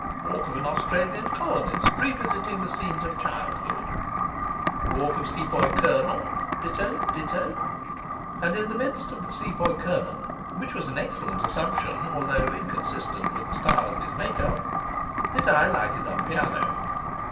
Walk of an Australian colonist revisiting the scenes of childhood. Walk of Sepoy colonel, ditto, ditto. And in the midst of the Sepoy colonel (which was an excellent assumption, although inconsistent with the style of his make up), his eye lighted on the piano.